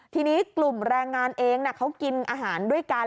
ทีนี้กลุ่มแรงงานเองเขากินอาหารด้วยกัน